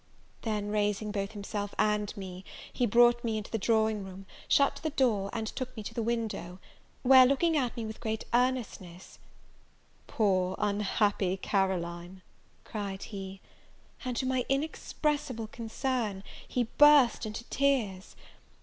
Then, raising both himself and me, he brought me into the drawing room, shut the door, and took me to the window; where, looking at me with great earnestness, "Poor unhappy Caroline!" cried he; and, to my inexpressible concern, he burst into tears.